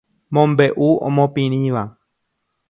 Mombe'u omopirĩva.